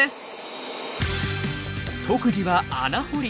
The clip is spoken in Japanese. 特技は穴掘り。